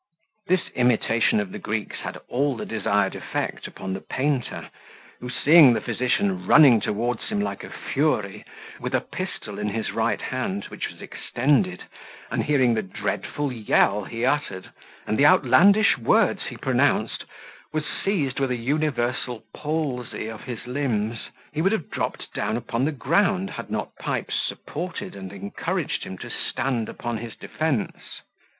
This imitation of the Greeks had all the desired effect upon the painter, who seeing the physician running towards him like a fury, with a pistol in his right hand, which was extended, and hearing the dreadful yell he uttered, and the outlandish words he pronounced, was seized with a universal palsy of his limbs. He would have dropped down upon the ground, had not Pipes supported and encouraged him to stand upon his defence.